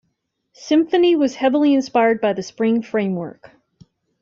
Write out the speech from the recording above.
Symfony was heavily inspired by the Spring Framework.